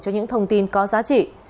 cho những thông tin có giá trị